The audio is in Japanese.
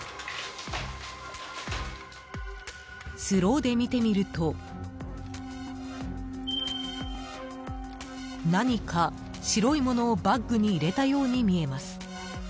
スローで見てみると何か白いものをバッグに入れたように見えます。